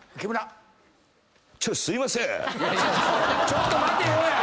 「ちょっと待てよ！」や！